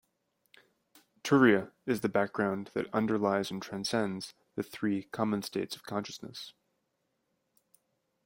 Turiya is the background that underlies and transcends the three common states of consciousness.